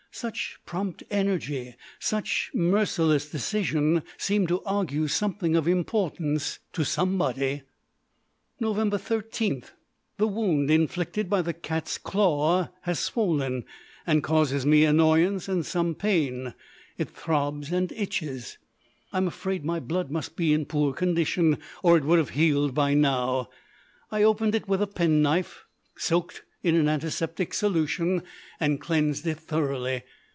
Such prompt energy, such merciless decision, seemed to argue something of importance to somebody. Nov. 13. The wound inflicted by the cat's claw has swollen, and causes me annoyance and some pain. It throbs and itches. I'm afraid my blood must be in poor condition, or it would have healed by now. I opened it with a penknife soaked in an antiseptic solution, and cleansed it thoroughly.